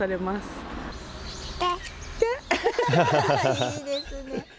いいですね。